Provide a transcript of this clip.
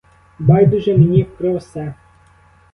Байдуже мені про все.